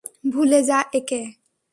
ভুলে যা একে।